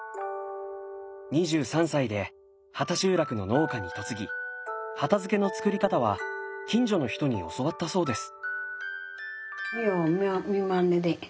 ２３歳で畑集落の農家に嫁ぎ畑漬のつくり方は近所の人に教わったそうです。